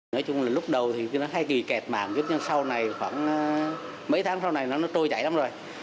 nói chung là lúc đầu thì nó hay kì kẹt mạng chứ sau này khoảng mấy tháng sau này nó trôi chảy lắm rồi